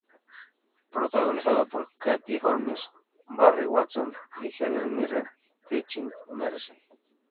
Protagonizada por Katie Holmes, Barry Watson y Helen Mirren, "Teaching Mrs.